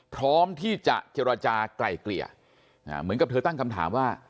พร้อมที่จะเจรจากลายเกลี่ยเหมือนกับเธอตั้งคำถามว่า